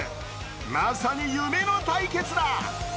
まさに夢の対決だ。